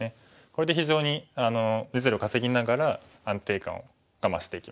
これで非常に実利を稼ぎながら安定感が増していきますね。